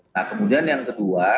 nah kemudian yang kedua